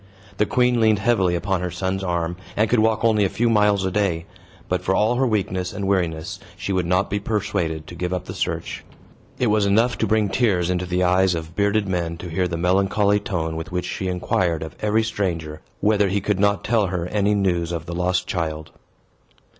The queen leaned heavily upon her son's arm, and could walk only a few miles a day. But for all her weakness and weariness, she would not be persuaded to give up the search. It was enough to bring tears into the eyes of bearded men to hear the melancholy tone with which she inquired of every stranger whether he could not tell her any news of the lost child.